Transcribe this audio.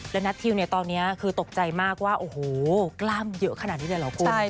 แล้วนัททิวเนี่ยตอนนี้คือตกใจมากว่าโอ้โหกล้ามเยอะขนาดนี้เลยเหรอคุณ